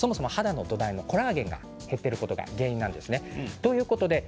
肌の土台のコラーゲンが減っていることが原因なんです。